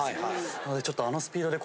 なのでちょっと。